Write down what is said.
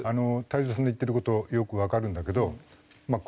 太蔵さんの言ってる事よくわかるんだけどまあ